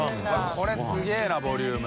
Δこれすげぇなボリューム。